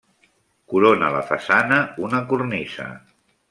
Corona la façana una cornisa.